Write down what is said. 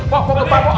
pak pak pak